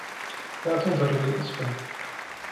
لا تنظر إلى الأسفل.